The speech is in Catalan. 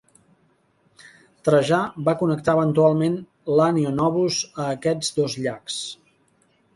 Trajà va connectar eventualment l'Anio Novus a aquests dos llacs.